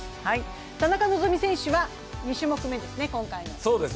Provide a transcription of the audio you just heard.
田中希実選手は２種目めですね、今回は。